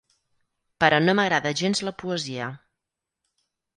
Però no m'agrada gens la poesia.